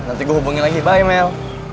nanti gue hubungi lagi bye mel